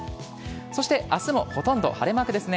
そして、あすもほとんど晴れマークですね。